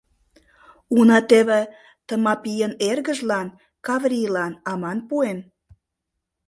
Уна теве Тымапийын эргыжлан, Каврийлан, Анам пуэм...